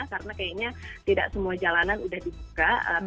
karena kayaknya tidak semua jalanan sudah dibuka